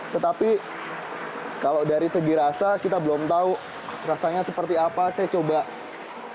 tetapi kalau dari segi rasa kita belum tahu rasanya seperti apa saya coba